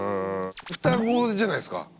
双子じゃないですか。